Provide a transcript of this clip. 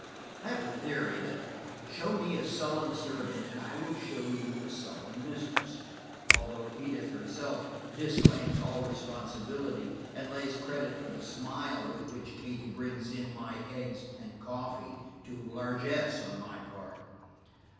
I have a theory that, show me a sullen servant and I will show you a sullen mistress, although Edith herself disclaims all responsibility and lays credit for the smile with which Katie brings in my eggs and coffee, to largess on my part.